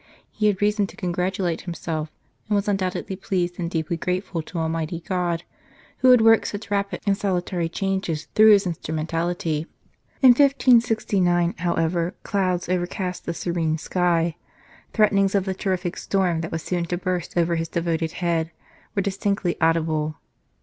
He had reason to congratulate himself, and he was un doubtedly pleased and deeply grateful to Almighty God, who had worked such rapid and salutary changes through his instrumentality. In 1569, however, clouds overcast the serene sky ; threatenings of the terrific storm that was soon to burst over his devoted head were distinctly audible.